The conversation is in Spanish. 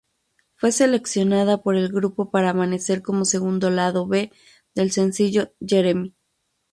Fue seleccionada por el grupo para aparecer como segundo Lado B del sencillo Jeremy.